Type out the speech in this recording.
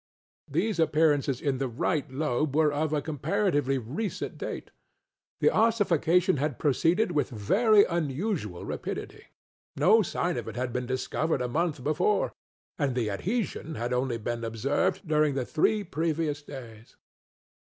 These appearances in the right lobe were of comparatively recent date. The ossification had proceeded with very unusual rapidity; no sign of it had been discovered a month before, and the adhesion had only been observed during the three previous days.